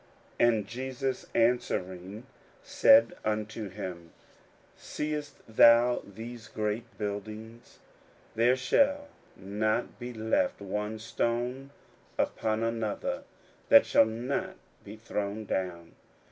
41:013:002 And Jesus answering said unto him, Seest thou these great buildings? there shall not be left one stone upon another, that shall not be thrown down.